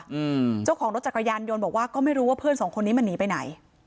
อืมเจ้าของรถจักรยานยนต์บอกว่าก็ไม่รู้ว่าเพื่อนสองคนนี้มันหนีไปไหน